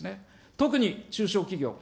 特に、中小企業。